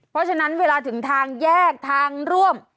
เพราะฉะนั้นเวลาถึงทางแยกทางร่วม